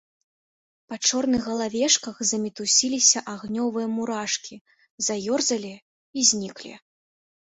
Па чорных галавешках замітусіліся агнёвыя мурашкі, заёрзалі і зніклі.